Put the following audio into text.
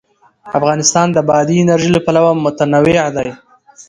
افغانستان د بادي انرژي له پلوه متنوع دی.